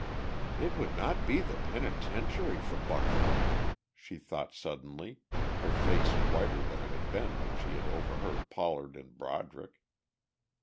"It would not be the penitentiary for Buck Thornton," she thought suddenly, her face whiter than it had been when she had overheard Pollard and Broderick.